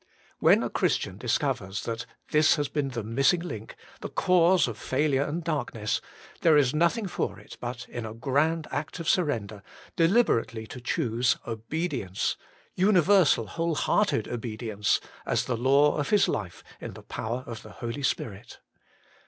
When a Christian discovers that this has been the missing link, the cause of failure and dark ness, there is nothing for it but, in a grand act of surrender, deliberately to choose obedience, universal, whole hearted obedience, as the law of his life in the power of the Holy Spirit.